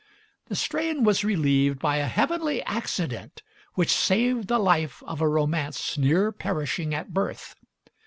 The strain was relieved by a heavenly accident which saved the life of a romance near perishing at birth.